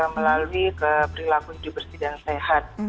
melalui perilaku hidup bersih dan sehat